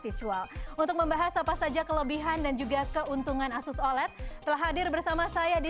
visual untuk membahas apa saja kelebihan dan juga keuntungan asus oled telah hadir bersama saya di